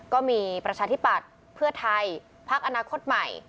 ประชาธิปัตย์เพื่อไทยพักอนาคตใหม่